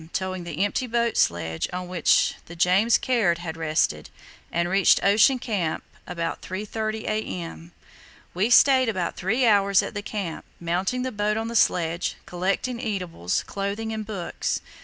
towing the empty boat sledge on which the James Caird had rested, and reached Ocean Camp about 3.30 a.m. "We stayed about three hours at the Camp, mounting the boat on the sledge, collecting eatables, clothing, and books.